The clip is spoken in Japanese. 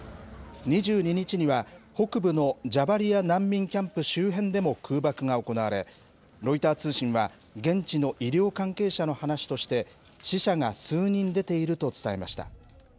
２２日には北部のジャバリア難民キャンプ周辺でも空爆が行われ、ロイター通信は、現地の医療関係者の話として、死者が数人出ていると伝えました。